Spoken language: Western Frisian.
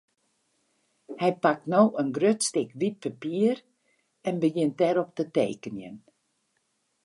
Hy pakt no in grut stik wyt papier en begjint dêrop te tekenjen.